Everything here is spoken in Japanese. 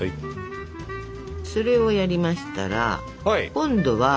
それをやりましたら今度は。